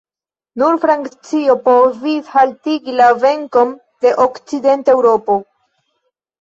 Nur Francio povis haltigi la venkon de okcidenta Eŭropo.